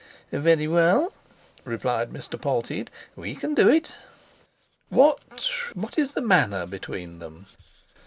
"Very well," replied Mr. Polteed, "we can do it." "What—what is the manner between them?"